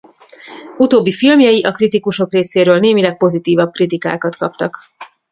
Utóbbi filmjei a kritikusok részéről némileg pozitívabb kritikákat kaptak.